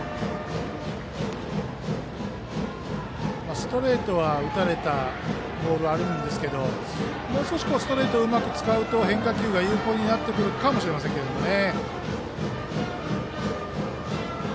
ストレートは打たれたボールがあるんですがもう少しストレートをうまく使うと変化球が有効になるかもしれませんね。